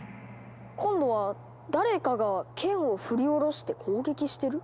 今度は誰かが剣を振り下ろして攻撃してる？